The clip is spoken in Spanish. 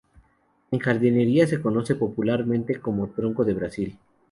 En jardinería se conoce popularmente como "Tronco del Brasil".